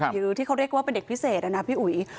หรือที่เขาเรียกว่าเป็นเด็กพิเศษนะพี่อุ๋ย